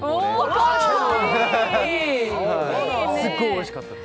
すっごいおいしかったです。